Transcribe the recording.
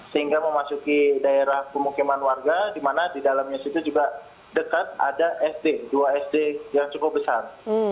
sehingga memasuki daerah pemukiman warga di mana di dalamnya situ juga dekat ada sd dua sd yang cukup besar